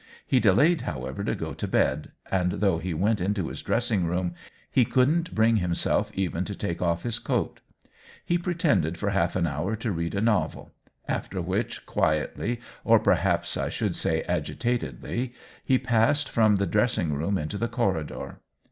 He de layed, however, to go to bed, and though he went into his dressing room, he couldn't bring himself even to take off his coat. He pretended for half an hour to read a novel ; after which, quietly, or perhaps I should say agitatedly, he passed from the dressing room into the corridor.